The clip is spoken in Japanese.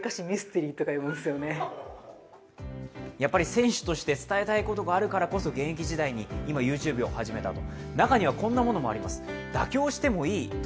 選手として伝えたいことがあるからこそ、現役時代に今、ＹｏｕＴｕｂｅを始めたと。